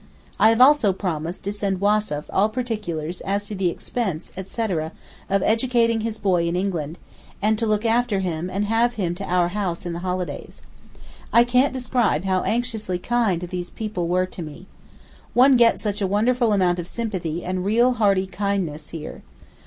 I have also promised to send Wassef all particulars as to the expense, etc. of educating his boy in England, and to look after him and have him to our house in the holidays. I can't describe how anxiously kind these people were to me. One gets such a wonderful amount of sympathy and real hearty kindness here.